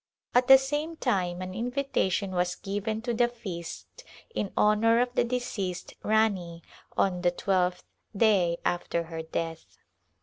At the same time an invitation was given to the feast in honor of the deceased Rani on the twelfth day after her death.